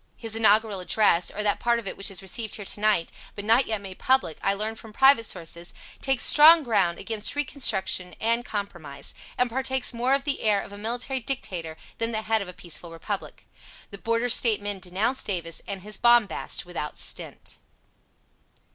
His inaugural address, or that part of it which is received here to night, but not yet made public, I learn from private sources, takes strong ground against reconstruction and compromise, and partakes more of the air of a military dictator than the head of a peaceful Republic. The Border State men denounce Davis and his bombast without stint.